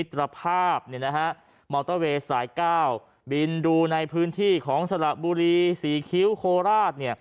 สาย๙บินดูในพื้นที่ของสระบุรีสีคิ้วโคลาศ